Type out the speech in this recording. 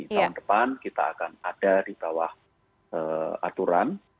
tahun depan kita akan ada di bawah aturan